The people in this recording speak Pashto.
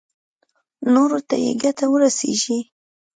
نورو ته يې ګټه ورسېږي.